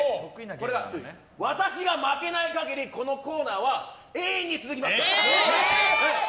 私が負けない限りこのコーナーは永遠に続きますから。